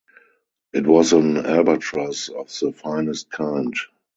It was an albatross of the finest kind.